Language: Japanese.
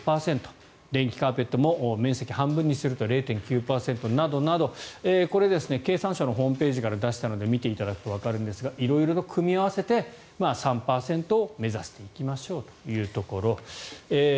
電気カーペットも面積半分にすると１．０％などなどこれ、経産省のホームページから出したので見ていただくとわかるんですが色々と組み合わせて３％を目指していきましょうというところ。